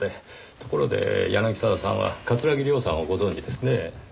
ところで柳沢さんは桂木涼さんをご存じですね？